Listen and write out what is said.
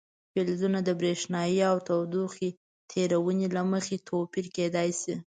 فلزونه د برېښنايي او تودوخې تیرونې له مخې توپیر کیدای شي.